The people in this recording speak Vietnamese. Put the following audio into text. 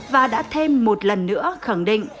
và đã thêm một lần nữa khẳng định